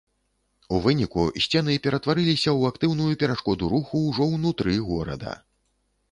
У выніку, сцены ператварыліся ў актыўную перашкоду руху ўжо ўнутры горада.